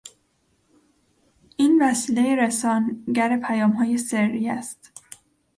این وسیله رسانگر پیامهای سری است.